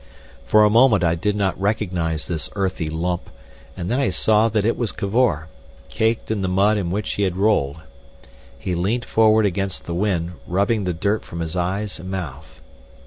For a moment I did not recognise this earthy lump, and then I saw that it was Cavor, caked in the mud in which he had rolled. He leant forward against the wind, rubbing the dirt from his eyes and mouth.